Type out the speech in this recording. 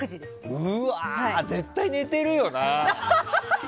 うわ、絶対寝てるよな。